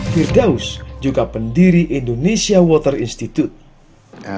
firdaus juga pendiri indonesia water institute